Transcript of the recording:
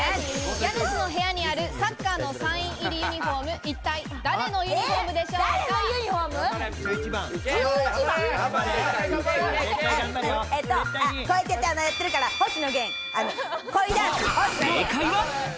家主の部屋にあるサッカーのサイン入りユニホーム、一体、誰のユえっと、正解は。